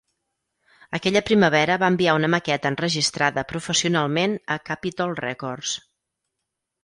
Aquella primavera va enviar una maqueta enregistrada professionalment a Capitol Records.